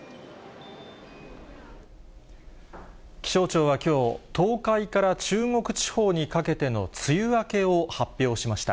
気象庁はきょう、東海から中国地方にかけての梅雨明けを発表しました。